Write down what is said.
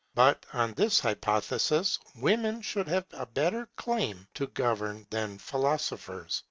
But, on this hypothesis, women would have a better claim to govern than philosophers.